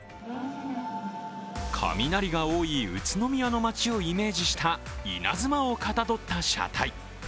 雷が多い宇都宮の街をイメージした稲妻をかたどった車体。